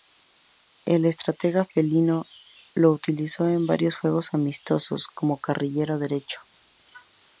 El estratega felino lo utilizó en varios juegos amistosos como carrilero derecho.